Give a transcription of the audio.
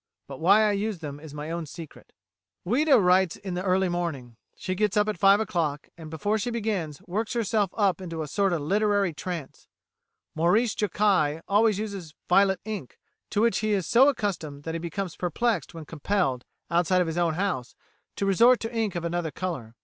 But why I use them is my own secret." Ouida writes in the early morning. She gets up at five o'clock, and before she begins, works herself up into a sort of literary trance. Maurice Jokai always uses violet ink, to which he is so accustomed that he becomes perplexed when compelled, outside of his own house, to resort to ink of another colour.